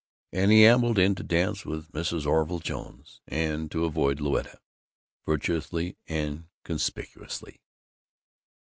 and he ambled in to dance with Mrs. Orville Jones, and to avoid Louetta, virtuously and conspicuously.